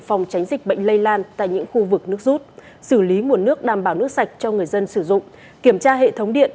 phòng tránh dịch bệnh lây lan tại những khu vực nước rút xử lý nguồn nước đảm bảo nước sạch cho người dân sử dụng kiểm tra hệ thống điện